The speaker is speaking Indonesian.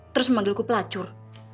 terus memanggilku pelacur